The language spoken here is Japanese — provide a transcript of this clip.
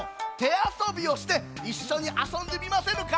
あそびをしていっしょにあそんでみませぬか？